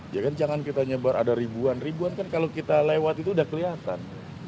ya kan jangan kita nyebar ada ribuan ribuan kan kalau kita lewat itu udah kelihatan